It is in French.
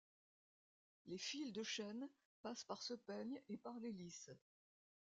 Les fils de chaîne passent par ce peigne et par les lisses.